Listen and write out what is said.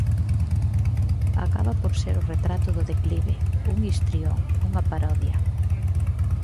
Acaba por ser o retrato do declive, un histrión, unha parodia.